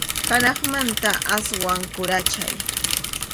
Hanaqmanta aswan karunchay.